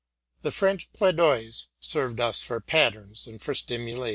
The French plaidoyés served us for patterns and for stimulants.